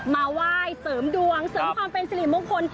มาไหว้เสริมดวงเสริมความเป็นสิริมงคล